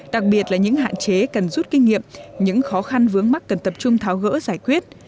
đặc biệt là những hạn chế cần rút kinh nghiệm những khó khăn vướng mắt cần tập trung tháo gỡ giải quyết